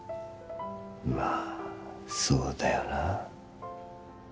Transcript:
まあそうだよな